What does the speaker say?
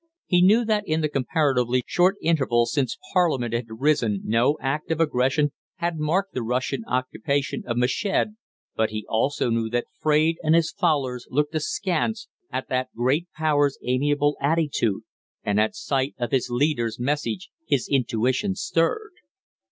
He knew that in the comparatively short interval since Parliament had risen no act of aggression had marked the Russian occupation of Meshed, but he also knew that Fraide and his followers looked askance at that great power's amiable attitude, and at sight of his leader's message his intuition stirred.